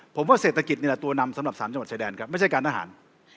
ผมว่าเศรษฐกิจนี่แหละตัวนำสำหรับ๓จังหวัดชายแดนครับไม่ใช่การทหาร